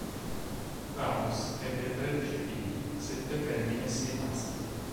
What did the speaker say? Ramos ebbe tredici figli, sette femmine e sei maschi.